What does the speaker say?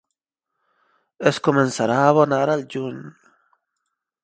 Es començarà a abonar al juny.